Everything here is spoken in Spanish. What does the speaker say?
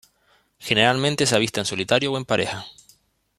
Generalmente se avista en solitario o en parejas.